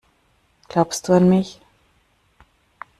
Glaubst du an mich?